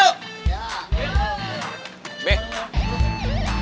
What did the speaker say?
nggak macem macem satu macem doang gue